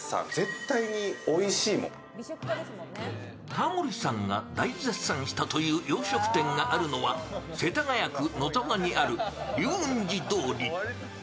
タモリさんが大絶賛したという洋食店があるのは世田谷区野沢にある龍雲寺通り。